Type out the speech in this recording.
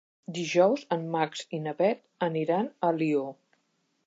Dijous en Max i na Bet aniran a Alió.